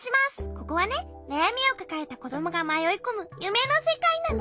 ここはねなやみをかかえたこどもがまよいこむゆめのせかいなの。